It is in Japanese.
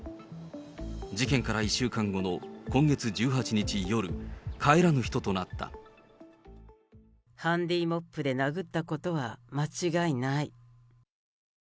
事件から１週間後の今月１８日夜、ハンディーモップで殴ったことは間違いない。